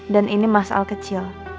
dan ini mas al kecil